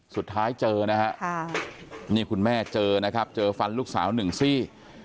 สุดท้ายเจอนะฮะนี่คุณแม่เจอนะครับเจอฟันลูกสาวหนึ่งซี่